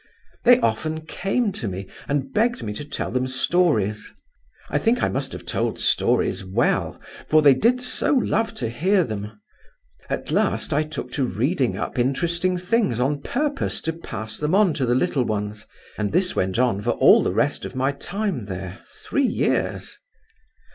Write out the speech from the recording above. They often came to me and begged me to tell them stories. I think I must have told stories well, for they did so love to hear them. At last I took to reading up interesting things on purpose to pass them on to the little ones, and this went on for all the rest of my time there, three years.